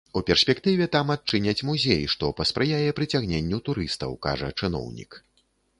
У перспектыве там адчыняць музей, што паспрыяе прыцягненню турыстаў, кажа чыноўнік.